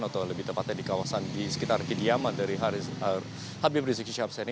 atau lebih tepatnya di kawasan di sekitar kediaman dari habib rizik sihabsah ini